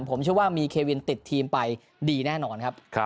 ผมเชื่อว่ามีเควินติดทีมไปดีแน่นอนครับ